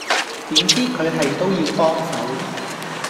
點知佢係都要幫手